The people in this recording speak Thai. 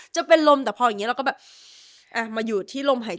จะเป็นลมแต่พออย่างนี้เราก็แบบมาอยู่ที่ลมหายใจ